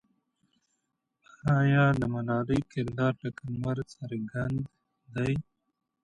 آیا د ملالۍ کردار لکه لمر څرګند دی؟